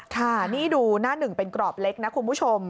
ค่ะนี่ดูหน้าหนึ่งเป็นกรอบเล็กนะคุณผู้ชม